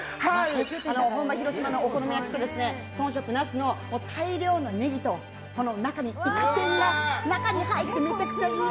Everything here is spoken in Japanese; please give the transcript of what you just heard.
本場広島のお好み焼きと遜色なしの大量のネギとイカ天が中に入ってめちゃくちゃいい。